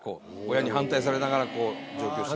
親に反対されながら上京して。